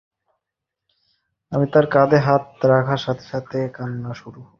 আমি তার কাঁধে হাত রাখার সঙ্গে সঙ্গে শুরু হলো তার কান্না।